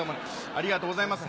ありがとうございます